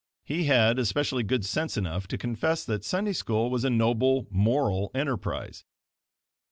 He had especially, good sense enough to confess that the Sunday School was a noble moral enterprise.